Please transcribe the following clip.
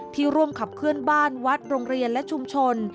ร่วมขับเคลื่อนบ้านวัดโรงเรียนและชุมชน